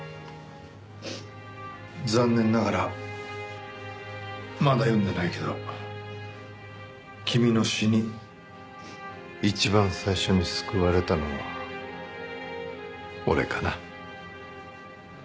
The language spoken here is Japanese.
残念ながらまだ読んでないけど君の詩に一番最初に救われたのは俺かな。